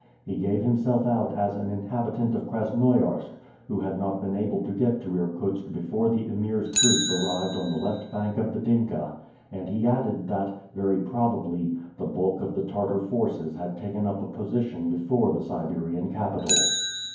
He gave himself out as an inhabitant of Krasnoiarsk, who had not been able to get to Irkutsk before the Emir's troops arrived on the left bank of the Dinka, and he added that, very probably, the bulk of the Tartar forces had taken up a position before the Siberian capital.